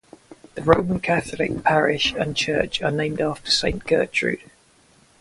The Roman Catholic parish and church are named after Saint Gertrude.